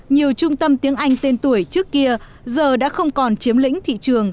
nhiều trung tâm tiếng anh tên tuổi trước kia giờ đã không còn chiếm lĩnh thị trường